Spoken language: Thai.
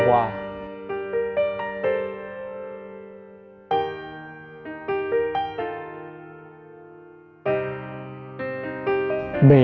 อาหารกินไม่ได้